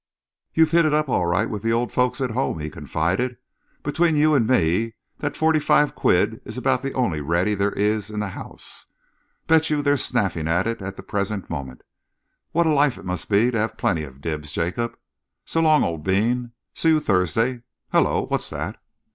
"You've hit it up all right with the old folks at home," he confided. "Between you and me, that forty five quid is about the only ready there is in the house. Bet you they're snaffling it at the present moment. What a life it must be to have plenty of the dibs, Jacob! So long, old bean. See you Thursday. Hullo, what's that?"